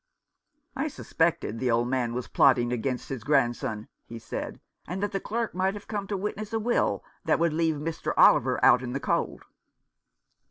" I suspected the old man of plotting against his grandson," he said, "and that the clerk might have come to witness a will that would leave Mr. Oliver out in the cold."